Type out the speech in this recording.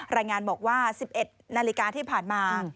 รายงานบอกว่า๑๑นาฬิกาที่ผ่านมา